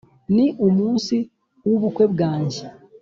ni umunsi w'ubukwe bwanjye